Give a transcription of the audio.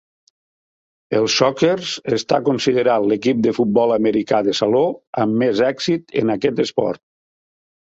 Els Sockers està considerat l'equip de futbol americà de saló amb més èxit en aquest esport.